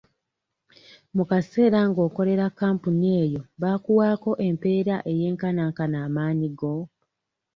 Mu kaseera ng'okolera kampuni eyo baakuwaako empeera ey'enkanaankana amaanyi go?